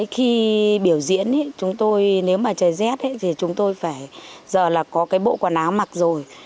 khi biểu diễn chúng tôi nếu mà trời rét thì chúng tôi phải giờ là có cái bộ quần áo mặc rồi